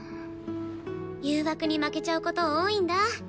誘惑に負けちゃうこと多いんだ。